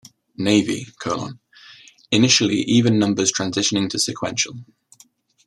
Navy: Initially even numbers transitioning to sequential.